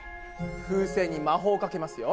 風船に魔法をかけますよ。